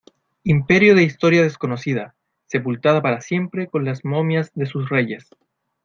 imperio de historia desconocida, sepultada para siempre con las momias de sus reyes